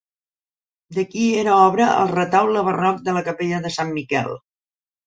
De qui era obra el retaule barroc de la capella de Sant Miquel?